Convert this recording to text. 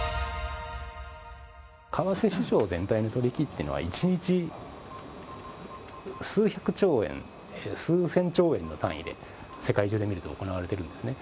為替市場全体の取引ってのは、１日数百兆円、数千兆円の単位で、世界中で見ると行われてるんですね。